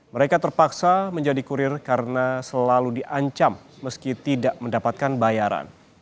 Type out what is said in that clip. mereka terpaksa menjadi kurir karena selalu diancam meski tidak mendapatkan bayaran